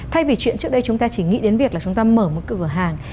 thay vì chuyện trước đây chúng ta chỉ nghĩ đến việc là chúng ta mở một cửa hàng